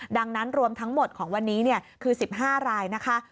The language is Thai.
ดังนั้นรวมทั้งหมดของวันนี้คือ๑๕รายนะคะ